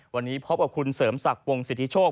วันนี้พบกับคุณเสริมศักดิ์วงสิทธิโชค